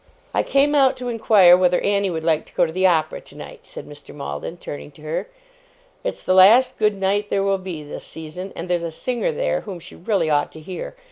'I came out to inquire whether Annie would like to go to the opera tonight,' said Mr. Maldon, turning to her. 'It's the last good night there will be, this season; and there's a singer there, whom she really ought to hear.